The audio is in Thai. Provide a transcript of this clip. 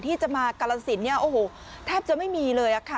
ที่จะมากาลสินเนี่ยโอ้โหแทบจะไม่มีเลยค่ะ